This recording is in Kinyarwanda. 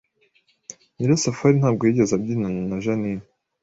Nyirasafari ntabwo yigeze abyinana na Jeaninne